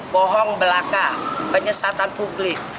bohong belaka penyesatan publik